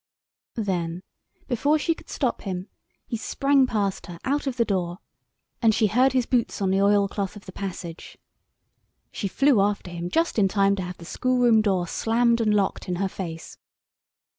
Then, before she could stop him, he sprang past her out at the door, and she heard his boots on the oilcloth of the passage. She flew after him just in time to have the schoolroom door slammed and locked in her face.